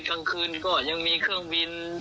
กลางคืนก็ยังมีเครื่องบิน